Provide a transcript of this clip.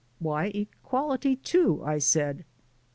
"Why, equality, too!" I said.